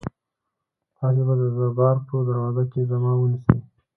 تاسي به د دربار په دروازه کې ما ونیسئ.